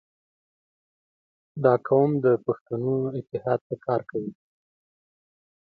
• دا قوم د پښتنو اتحاد ته کار کوي.